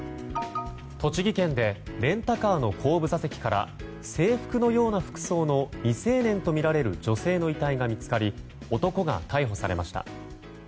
栃木県でレンタカーの後部座席から制服のような服装の未成年とみられる女性の遺体が見つかり男が逮捕されました。